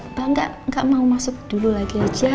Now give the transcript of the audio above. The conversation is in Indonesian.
mbak gak mau masuk dulu lagi aja